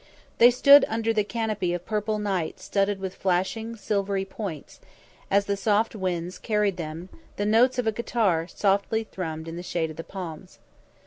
They stood under the canopy of purple night studded with flashing, silvery points, as the soft winds carried to them the notes of a guitar softly thrummed in the shade of the palms.